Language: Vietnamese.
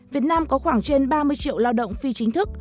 việt nam có khoảng trên ba mươi triệu lao động phi chính thức